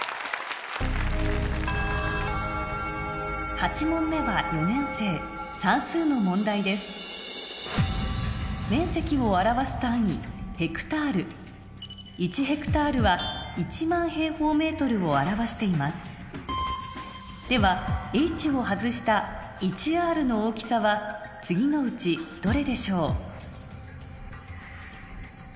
８問目は４年生算数の問題ですを表していますではｈを外した１ａの大きさは次のうちどれでしょう？